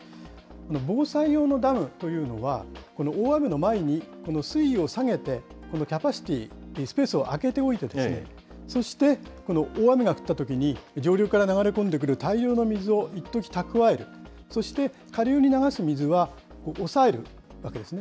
防災用のダムというのは、この大雨の前に水位を下げて、キャパシティー、スペースを空けておいて、そして、この大雨が降ったときに、上流から流れ込んでくる大量の水を一時蓄え、そして下流に流す水は抑えるわけですね。